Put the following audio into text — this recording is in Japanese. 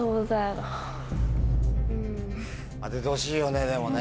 当ててほしいよねでもね。